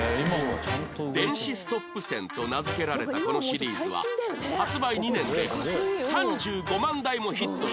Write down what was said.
電子ストップ扇と名付けられたこのシリーズは発売２年で３５万台もヒットしましたが